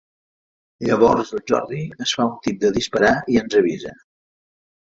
Llavors el Jordi es fa un tip de disparar i ens avisa.